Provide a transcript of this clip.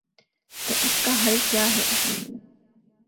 تو اس کا حل کیا ہے؟